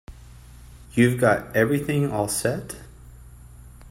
You've got everything all set?